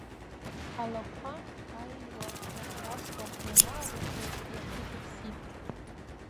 Алақәа аиуа рыӷрамкәа ианаарыӷрыҵ, иаргьы дыԥсит.